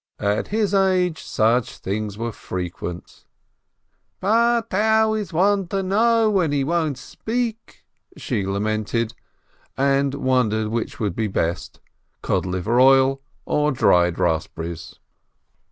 At his age such things were frequent. "But how is one to know, when he won't speak?" she lamented, and won dered which would be best, cod liver oil or dried raspberries.